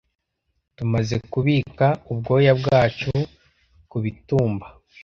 Tumaze kubika ubwoya bwacu kubitumba.